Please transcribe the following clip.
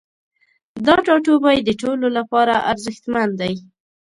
دا ټاتوبی د ټولو لپاره ارزښتمن دی